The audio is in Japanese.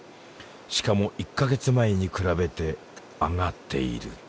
しかも１カ月前に比べて上がっている。